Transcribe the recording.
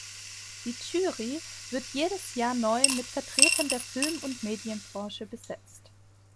Die Jury wird jedes Jahr neu mit Vertretern der Film- und Medienbranche besetzt.